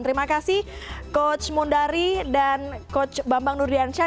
terima kasih coach mundari dan coach bambang nur diansyah